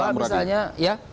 yang kedua misalnya